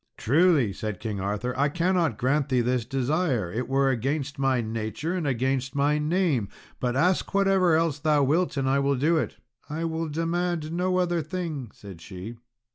"Truly," said King Arthur, "I cannot grant thee this desire; it were against my nature and against my name; but ask whatever else thou wilt, and I will do it." "I will demand no other thing," said she.